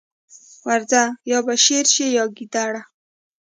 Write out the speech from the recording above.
ورځه! يا به شېر شې يا ګيدړه.